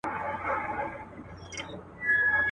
پرېږدی چي موږ هم څو شېبې ووینو.